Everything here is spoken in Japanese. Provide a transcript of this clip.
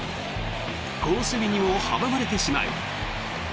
好守備に阻まれてしまう。